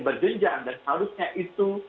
berjenjang dan seharusnya itu